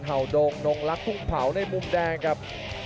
หลักทุ่งเผาในมุมแดงครับ